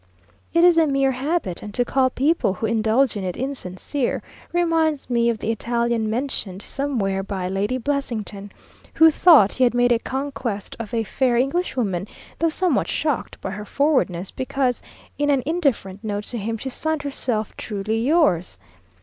It is a mere habit, and to call people who indulge in it insincere, reminds me of the Italian mentioned somewhere by Lady Blessington, who thought he had made a conquest of a fair Englishwoman, though somewhat shocked by her forwardness, because, in an indifferent note to him, she signed herself "Truly yours."